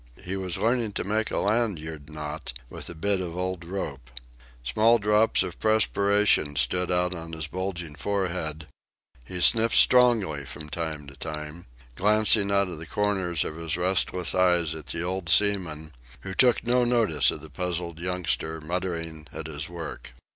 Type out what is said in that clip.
He was learning to make a lanyard knot with a bit of an old rope. Small drops of perspiration stood out on his bulging forehead; he sniffed strongly from time to time, glancing out of the corners of his restless eyes at the old seaman, who took no notice of the puzzled youngster muttering at his work.